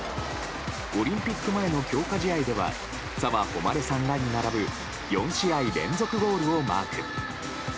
オリンピック前の強化試合では澤穂希さんらに並ぶ４試合連続ゴールをマーク。